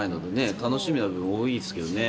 楽しみな部分多いです。